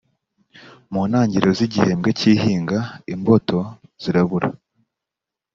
mu ntangiriro y’ igihembwe cyihinga imboto zirabura.